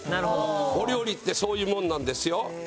お料理ってそういうものなんですよ。